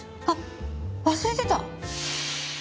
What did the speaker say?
あっ忘れてた。